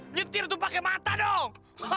nyetir tuh pakai mata dong